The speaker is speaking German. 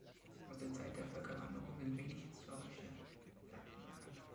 Aus der Zeit der Völkerwanderung sind wenig historische Fakten bekannt.